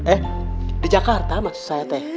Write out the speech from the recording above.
eh di jakarta maksud saya teh